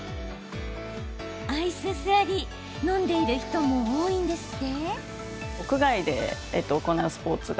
アイススラリー飲んでいる人も多いんですって？